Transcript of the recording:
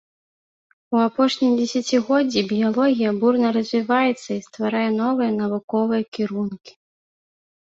У апошнія дзесяцігоддзі біялогія бурна развіваецца і стварае новыя навуковыя кірункі.